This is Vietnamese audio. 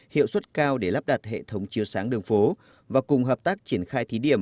hiệu suất cao để lắp đặt hệ thống chiếu sáng đường phố và cùng hợp tác triển khai thí điểm